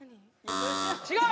違う！